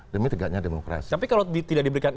demi tegaknya demokrasi tapi kalau tidak diberikan